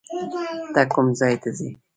ته کوم ځای ته ځې؟